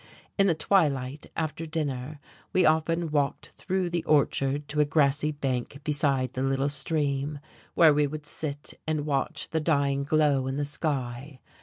In the twilight, after dinner, we often walked through the orchard to a grassy bank beside the little stream, where we would sit and watch the dying glow in the sky.